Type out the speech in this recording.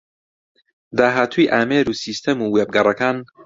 داهاتووی ئامێر و سیستەم و وێبگەڕەکان